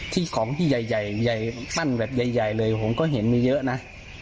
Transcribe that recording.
ที่ของที่ใหญ่ใหญ่ปั้นแบบใหญ่เลยผมก็เห็นมีเยอะนะ